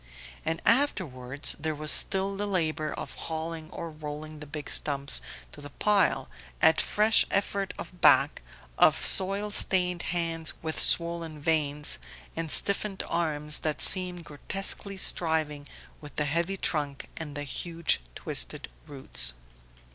And afterwards there was still the labour of hauling or rolling the big stumps to the pile at fresh effort of back, of soil stained hands with swollen veins, and stiffened arms that seemed grotesquely striving with the heavy trunk and the huge twisted roots.